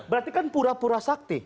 berarti kan pura pura sakti